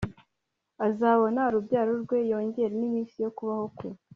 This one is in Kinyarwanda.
azabona urubyaro rwe yongere n iminsi yo kubaho kwe